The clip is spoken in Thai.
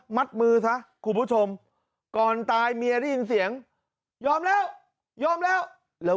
มือซะคุณผู้ชมก่อนตายเมียได้ยินเสียงยอมแล้วยอมแล้วแล้ว